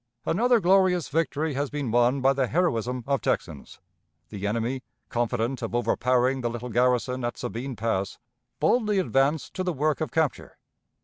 "Another glorious victory has been won by the heroism of Texans. The enemy, confident of overpowering the little garrison at Sabine Pass, boldly advanced to the work of capture.